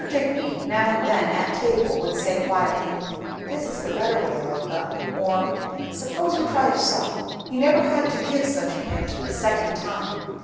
Digby now and then at table would say quietly, "This is the better way, Rotha," or, "Suppose you try it so." He never had to give such a hint a second time.